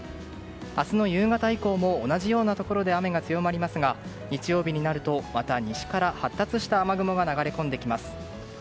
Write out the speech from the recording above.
明日の夕方以降も同じようなところで雨が強まりますが日曜日になるとまた西から発達した雨雲が流れ込んできます。